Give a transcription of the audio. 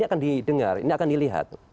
akan didengar ini akan dilihat